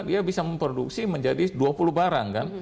dia bisa memproduksi menjadi dua puluh barang kan